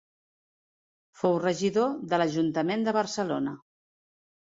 Fou regidor de l'Ajuntament de Barcelona.